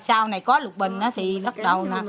sau này có lục bình thì bắt đầu